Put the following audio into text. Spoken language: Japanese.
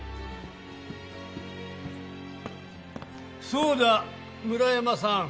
そうだ村山さん。